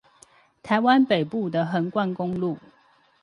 臺灣北部的橫貫公路